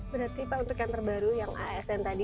berarti pak untuk yang terbaru yang asn tadi